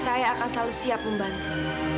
saya akan selalu siap membantu